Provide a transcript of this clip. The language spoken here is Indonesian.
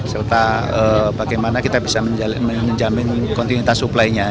serta bagaimana kita bisa menjamin kontinuitas supply nya